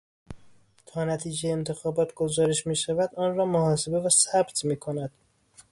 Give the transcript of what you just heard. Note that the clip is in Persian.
تا نتیجهی انتخابات گزارش میشود آن را محاسبه و ثبت میکند.